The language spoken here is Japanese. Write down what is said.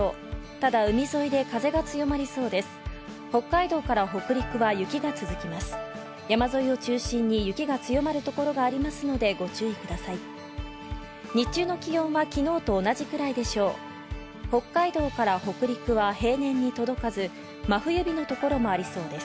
ただ海沿いで風が強まりそうです。